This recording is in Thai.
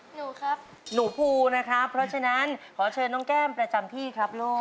หนูครับหนูภูนะครับเพราะฉะนั้นขอเชิญน้องแก้มประจำที่ครับลูก